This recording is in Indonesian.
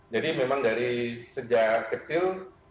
jadi memang dari sejak kecil